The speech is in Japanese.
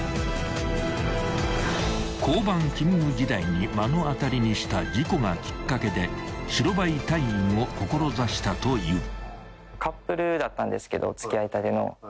［交番勤務時代に目の当たりにした事故がきっかけで白バイ隊員を志したという］